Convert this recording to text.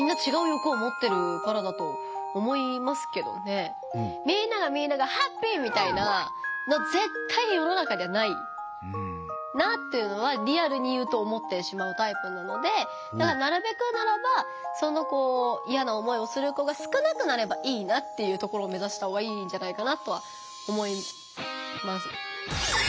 それはやっぱりみんながみんなハッピー！みたいなのは絶対に世の中にはないなっていうのはリアルに言うと思ってしまうタイプなのでなるべくならば嫌な思いをする子が少なくなればいいなっていうところを目ざしたほうがいいんじゃないかなとは思います。